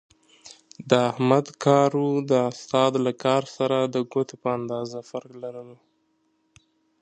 د احمد کارو د استاد له کار سره د ګوتې په اندازې فرق لرلو.